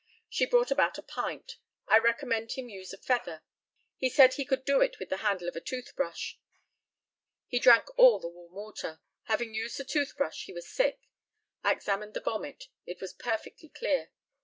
She brought about a pint. I recommended him to use a feather. He said he could do it with the handle of a toothbrush. He drank all the warm water. Having used the toothbrush he was sick. I examined the vomit; it was perfectly clear.